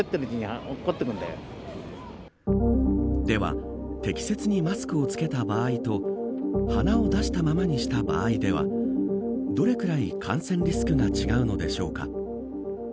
では適切にマスクを着けた場合と鼻を出したままにした場合ではどれくらい感染リスクが違うのでしょうか。